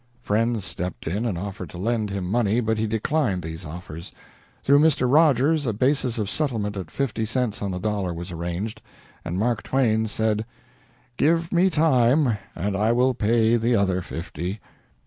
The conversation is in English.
Friends stepped in and offered to lend him money, but he declined these offers. Through Mr. Rogers a basis of settlement at fifty cents on the dollar was arranged, and Mark Twain said, "Give me time, and I will pay the other fifty."